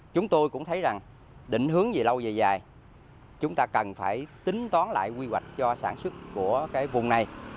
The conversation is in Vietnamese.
chúng tôi cũng thấy rằng định hướng gì lâu dài dài chúng ta cần phải tính toán lại quy hoạch cho sản xuất của cái vùng này